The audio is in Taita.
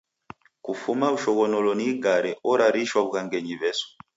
Kufuma ushoghonolo ni igare orarishwa w'ughangenyi W'esu.